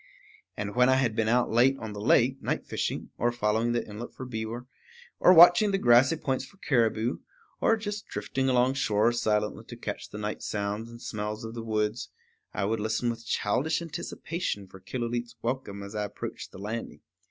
And when I had been out late on the lake, night fishing, or following the inlet for beaver, or watching the grassy points for caribou, or just drifting along shore silently to catch the night sounds and smells of the woods, I would listen with childish anticipation for Killooleet's welcome as I approached the landing.